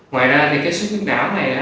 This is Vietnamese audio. ngoài ra thì cái sức viết não này